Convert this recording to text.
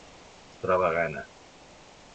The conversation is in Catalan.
Es troba a Ghana.